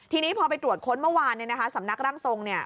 ทีนี้พอไปตรวจค้นเมื่อวานเนี่ยนะคะสำนักร่างทรงเนี่ย